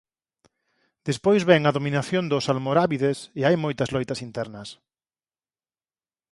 Despois ven a dominación dos almorábides e hai moitas loitas internas.